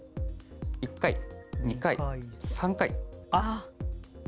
１回、２回、３回。